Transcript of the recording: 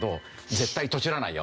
絶対とちらないよ。